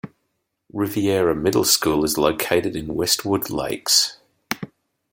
Riviera Middle School is located in Westwood Lakes.